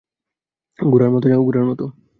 ঘোড়ার মতো যাও, ঘোড়ার মতো।